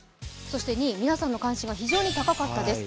そして２位、皆さんの関心が非常に高かったです。